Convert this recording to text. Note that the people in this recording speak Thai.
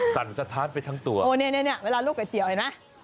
สั่นสะท้านไปทั้งตัวโอ้เนี่ยเวลาลวกก๋วเห็นไหม